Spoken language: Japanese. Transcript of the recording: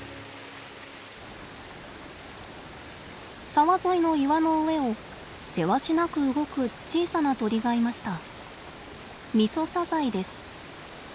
沢沿いの岩の上をせわしなく動く小さな鳥がいました。